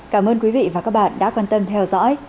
cảm ơn quý vị và các bạn đã quan tâm theo dõi